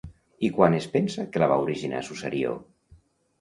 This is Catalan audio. I quan es pensa que la va originar Susarió?